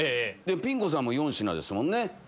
ピン子さんも４品ですもんね。